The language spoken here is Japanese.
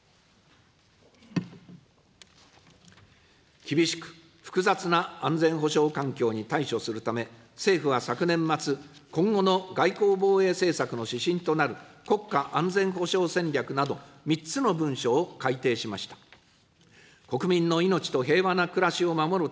厳しく、複雑な安全保障環境に対処するため、政府は昨年末、今後の外交・防衛政策の指針となる国家安全保障戦略など、３つの文書を改定しました。